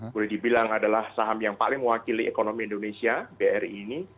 boleh dibilang adalah saham yang paling mewakili ekonomi indonesia bri ini